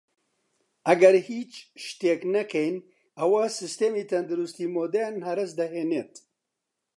ئەگەر هیچ شتێک نەکەین ئەوە سیستەمی تەندروستی مودێرن هەرەس دەهێنێت